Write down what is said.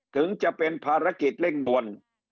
ถึงจะเป็นภารกิจเร่งด่วน